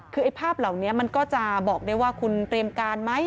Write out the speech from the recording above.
คือไอ้ภาพเหล่านี้มันก็จะบอกได้ว่าคุณเตรียมการไหม